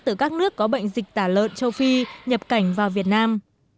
từ các nước có bệnh dịch tả lợn châu phi nhập cảnh vào việt nam